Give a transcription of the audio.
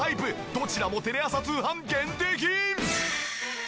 どちらもテレ朝通販限定品！